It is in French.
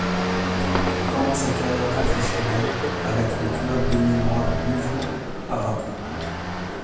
Il commence sa carrière professionnelle avec le club beninois Buffles Parakou.